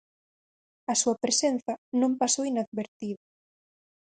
A súa presenza non pasou inadvertida.